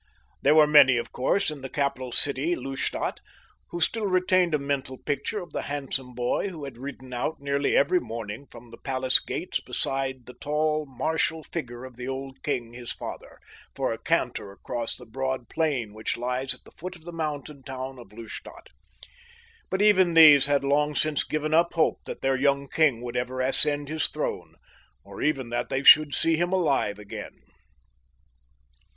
There were many, of course, in the capital city, Lustadt, who still retained a mental picture of the handsome boy who had ridden out nearly every morning from the palace gates beside the tall, martial figure of the old king, his father, for a canter across the broad plain which lies at the foot of the mountain town of Lustadt; but even these had long since given up hope that their young king would ever ascend his throne, or even that they should see him alive again.